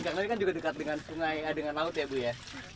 karena ini kan juga dekat dengan sungai dengan laut ya bu ya